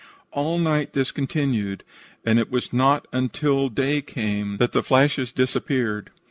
All night this continued, and it was not until day came that the flashes disappeared.